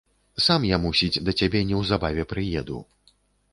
Сам я, мусіць, да цябе неўзабаве прыеду.